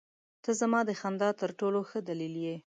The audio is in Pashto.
• ته زما د خندا تر ټولو ښه دلیل یې.